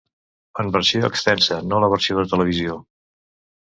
En versió extensa, no la versió de televisió.